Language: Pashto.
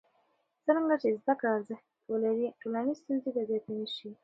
څرنګه چې زده کړه ارزښت ولري، ټولنیزې ستونزې به زیاتې نه شي.